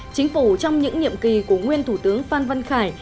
chính phủ trong những nhiệm kỳ của nguyên thủ tướng phan văn khải